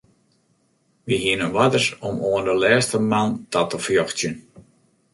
Wy hiene oarders om oan de lêste man ta te fjochtsjen.